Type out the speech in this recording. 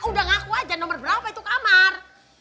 udah ngaku aja nomor berapa itu kamar